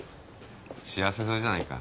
幸せそうじゃないか。